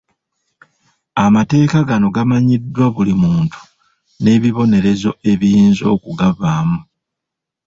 Amateeka gano gamanyiddwa buli muntu n'ebibonerezo ebiyinza okugavaamu.